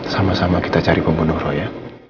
sama sama kita cari pembunuh roya